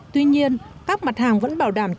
tuy nhiên các mặt hàng vẫn bảo đảm